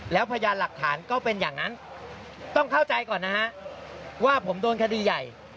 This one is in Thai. แล้วพยานหลักฐานก็เป็นอย่างนั้นต้องเข้าใจก่อนนะฮะว่าผมโดนคดีใหญ่